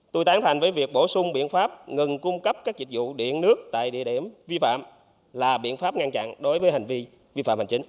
tôi tán thành với việc bổ sung biện pháp ngừng cung cấp các dịch vụ điện nước tại địa điểm vi phạm là biện pháp ngăn chặn đối với hành vi vi phạm hành chính